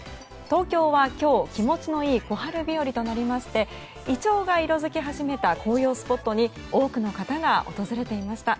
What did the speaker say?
東京は今日、気持ちのいい小春日和となりましてイチョウが色づき始めた紅葉スポットに多くの方が訪れていました。